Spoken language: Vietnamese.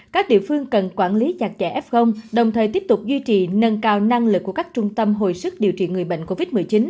các địa phương cần quản lý chặt chẽ f đồng thời tiếp tục duy trì nâng cao năng lực của các trung tâm hồi sức điều trị người bệnh covid một mươi chín